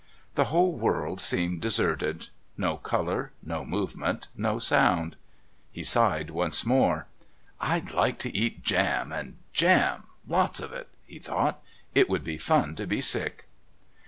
The whole world seemed deserted. No colour, no movement, no sound. He sighed once more "I'd like to eat jam and jam lots of it," he thought. "It would be fun to be sick."